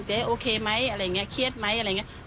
เจ๊โอเคมั้ยอะไรอย่างเนี่ยเครียดมั้ยอะไรอย่างเนี่ย